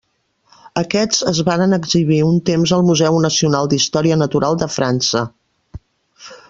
Aquests es varen exhibir un temps al Museu Nacional d'Història Natural de França.